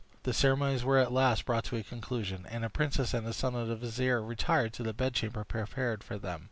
The ceremonies were at last brought to a conclusion, and the princess and the son of the vizier retired to the bedchamber prepared for them.